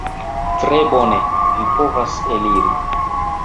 Tre bone: vi povas eliri.